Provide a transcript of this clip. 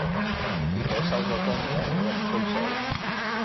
結果收咗工就冇人吹水